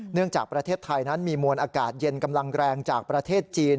จากประเทศไทยนั้นมีมวลอากาศเย็นกำลังแรงจากประเทศจีน